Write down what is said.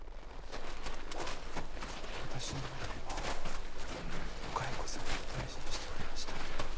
私の村でもお蚕様を大事にしておりました。